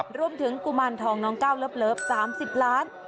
กุมารทองน้องก้าวเลิฟ๓๐ล้าน